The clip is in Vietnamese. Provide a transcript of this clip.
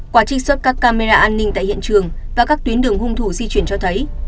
qua trích xuất các camera an ninh tại hiện trường và các tuyến đường hung thủ di chuyển cho thấy